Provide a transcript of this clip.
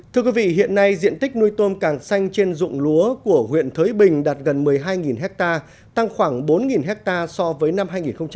thưa quý vị hiện nay diện tích nuôi tôm càng xanh trên dụng lúa của huyện thới bình đạt gần một mươi hai hectare tăng khoảng bốn hectare so với năm hai nghìn một mươi hai